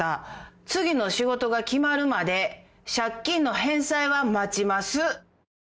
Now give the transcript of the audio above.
「次の仕事が決まるまで借金の返済は待ちます」